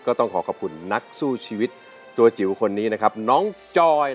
ต้องขอขอบคุณนักสู้ชีวิตตัวจิ๋วคนนี้นะครับน้องจอย